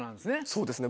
そうですね